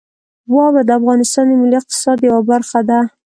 واوره د افغانستان د ملي اقتصاد یوه برخه ده.